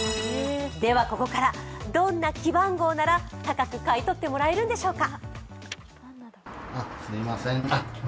ではここからはどんな記番号なら高く買い取ってもらえるんでしょうか。